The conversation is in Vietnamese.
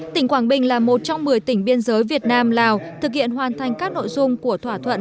tỉnh quảng bình là một trong một mươi tỉnh biên giới việt nam lào thực hiện hoàn thành các nội dung của thỏa thuận